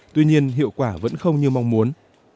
tuy nhiên hiệu quả vẫn không như mong muốn